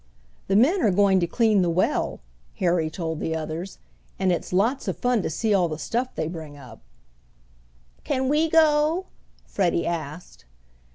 "The men are going to clean the well," Harry told the others, "and it's lots of fun to see all the stuff they bring up." "Can we go?" Freddie asked.